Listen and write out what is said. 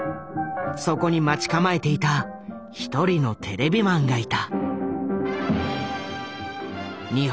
そこに待ち構えていた１人のテレビマンがいた。